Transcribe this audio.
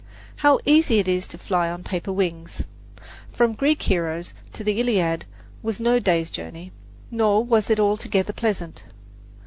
How easy it is to fly on paper wings! From "Greek Heroes" to the Iliad was no day's journey, nor was it altogether pleasant.